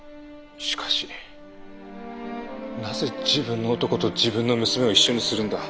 しかしなぜ自分の男と自分の娘を一緒にするんだ？